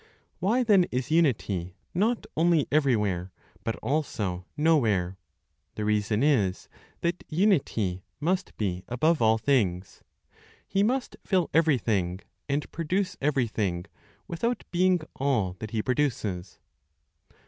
Why then is Unity not only everywhere, but also nowhere? The reason is, that Unity must be above all things, He must fill everything, and produce everything, without being all that He produces.